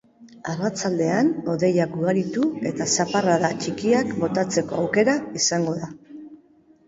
Arratsaldean, hodeiak ugaritu eta zaparrada txikiak botatzeko aukera izango da.